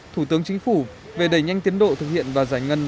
thủ tướng chính phủ về đẩy nhanh tiến độ thực hiện và giải ngân